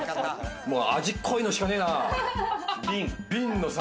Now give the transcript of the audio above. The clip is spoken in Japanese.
味濃いのしかねえなぁ。